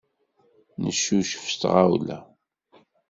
Neccucef s tɣawla.